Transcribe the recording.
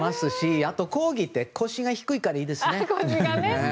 あと、コーギーって腰が低いからいいですね。